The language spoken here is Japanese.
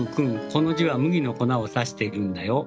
この字は麦の粉を指しているんだよ。